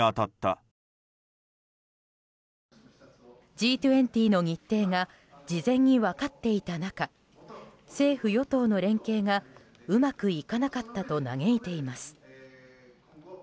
Ｇ２０の日程が事前に分かっていた中政府・与党の連携がうまくいかなかったと嘆いています。